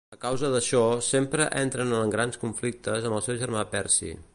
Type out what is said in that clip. A causa d'això sempre entren en grans conflictes amb el seu germà Percy.